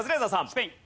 スペイン。